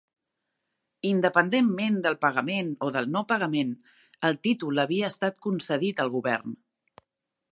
Independentment del pagament o del no pagament, el títol havia estat concedit al govern.